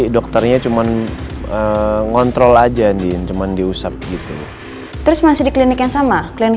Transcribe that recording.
dokternya cuman ngontrol aja di cuman diusap gitu terus masih di klinik yang sama klinik